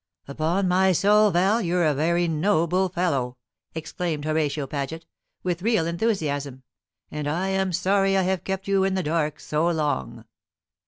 "Upon my soul, Val, you're a very noble fellow!" exclaimed Horatio Paget, with real enthusiasm; "and I am sorry I have kept you in the dark so long."